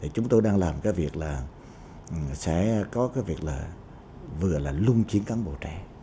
chúng tôi đang làm cái việc là sẽ có cái việc là vừa là lung chiến cán bộ trẻ